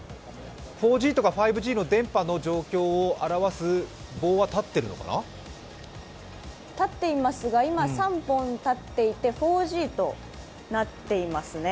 ４Ｇとか５Ｇの電波を示す立っていますが今、３本立っていて、４Ｇとなっていますね。